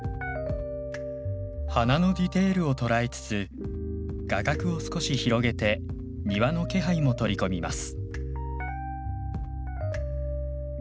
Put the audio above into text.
花のディテールを捉えつつ画角を少し広げて庭の気配も取り込みます。